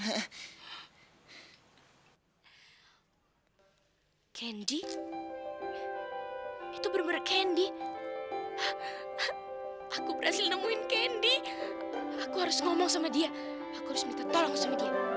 candy itu bener bener candy aku berhasil nemuin candy aku harus ngomong sama dia aku harus minta tolong sama dia